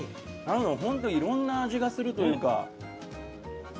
なんか本当いろんな味がするというか。